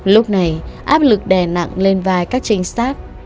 lúc này áp lực đè nặng lên vai các trinh sát